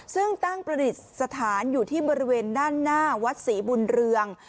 ซึ่งตั้งประดิษฐานอยู่ที่บริเวณด้านหน้าวัดศรีบุญเรือง